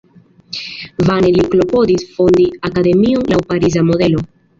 Vane li klopodis fondi akademion laŭ pariza modelo.